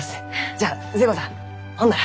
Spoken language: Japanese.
じゃあ寿恵子さんほんなら。